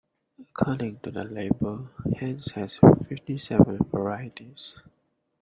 According to the label, Heinz has fifty-seven varieties